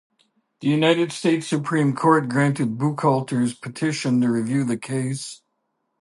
The United States Supreme Court granted Buchalter's petition to review the case.